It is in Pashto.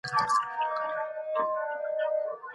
پرمختيا د ټولني د پياوړتيا لامل کېږي.